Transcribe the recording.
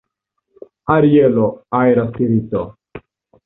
Arielo, aera spirito.